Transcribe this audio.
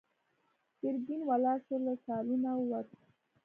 ګرګين ولاړ شو، له سالونه ووت.